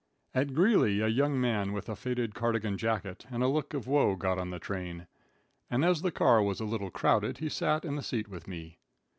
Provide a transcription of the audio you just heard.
At Greeley a young man with a faded cardigan jacket and a look of woe got on the train, and as the car was a little crowded he sat in the seat with me.